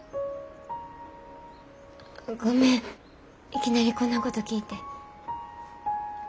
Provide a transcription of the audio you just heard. ごめんいきなりこんなこと聞いて。